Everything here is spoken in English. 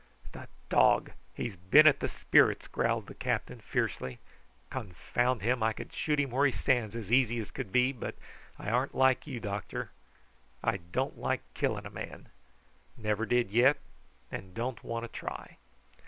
"The dog! he has been at the spirits," growled the captain fiercely. "Confound him! I could shoot him where he stands as easy as could be; but I arn't like you, doctor, I don't like killing a man. Never did yet, and don't want to try."